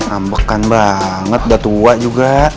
ambekan banget udah tua juga